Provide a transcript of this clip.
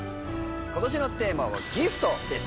今年のテーマはＧＩＦＴです